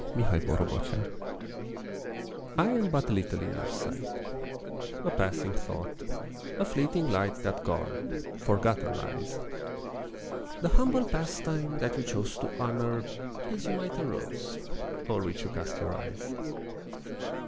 THE FOND LOVER I am but little in your sight, A passing thought, a fleeting light That gone, forgotten lies. The humble pastime, that you chose To honour, as you might a rose, O'er which you cast your eyes.